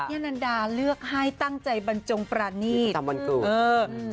อันนดาเลือกให้ตั้งใจบรรจงประณีต